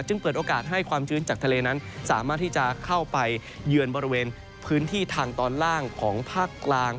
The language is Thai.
เปิดโอกาสให้ความชื้นจากทะเลนั้นสามารถที่จะเข้าไปเยือนบริเวณพื้นที่ทางตอนล่างของภาคกลาง